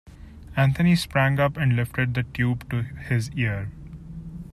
Anthony sprang up and lifted the tube to his ear.